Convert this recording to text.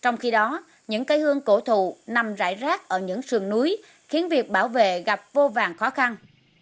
trong khi đó những cây hương cổ thụ nằm rải rác ở những sườn núi khiến việc bảo vệ gặp vô vàng khó khăn